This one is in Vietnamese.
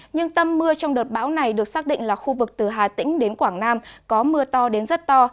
nhưng tâm mưa trong đợt bão này được xác định là khu vực từ hà tĩnh đến quảng nam có mưa to đến rất to